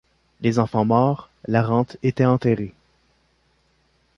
Les enfants morts, la rente était enterrée.